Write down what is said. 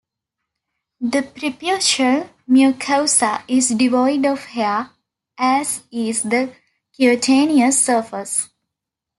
The preputial mucosa is devoid of hair, as is the cutaneous surface.